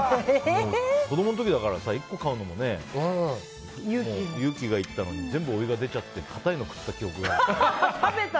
子供の時だから１個買うのも勇気がいるので全部お湯が出ちゃって固いの食べた記憶がある。